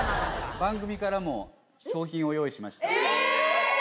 番組からも、賞金を用意しまえー！